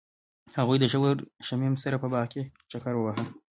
هغوی د ژور شمیم سره په باغ کې چکر وواهه.